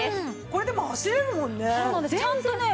これでも走れるもんね。